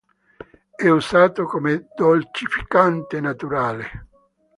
È usato come dolcificante naturale.